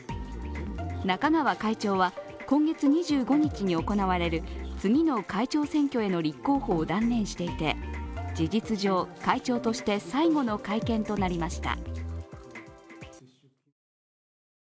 中川会長は、今月２５日に行われる次の会長選挙への立候補を断念していて、事実上、会長として最後の会見となりました。